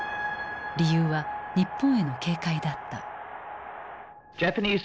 理由は日本への警戒だった。